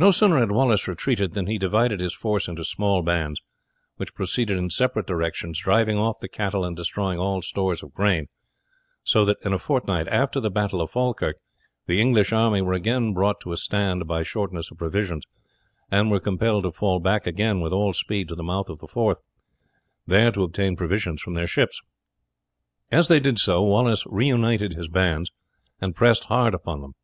No sooner had Wallace retreated than he divided his force into small bands, which proceeded in separate directions, driving off the cattle and destroying all stores of grain, so that in a fortnight after the battle of Falkirk the English army were again brought to a stand by shortness of provisions, and were compelled to fall back again with all speed to the mouth of the Forth, there to obtain provisions from their ships. As they did so Wallace reunited his bands, and pressed hard upon them.